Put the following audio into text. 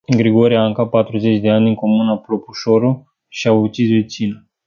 Grigore Anca patruzeci de ani din comuna Plopșoru, și-a ucis vecina.